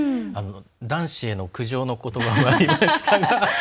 男子への苦情のことばがありましたが。